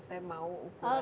saya mau ukuran